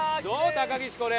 高岸これ。